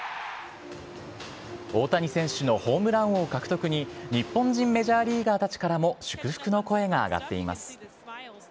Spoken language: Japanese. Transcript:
大谷選手のホームラン王獲得に日本人メジャーリーガーたちからも祝福の声が上がっています。